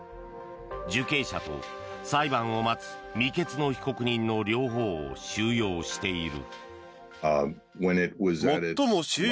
受刑者と、裁判を待つ未決の被告人の両方を収容している。